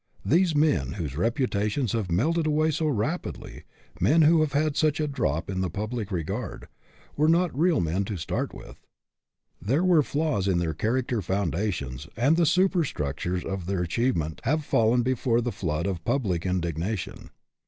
These men whose reputations have melted away so rapidly men who have had such a drop in the public regard were not real men to start with. There were flaws in their character foundations, and the super SUCCESS WITH A FLAW 231 structures of their achievement have fallen before the flood of public indignation.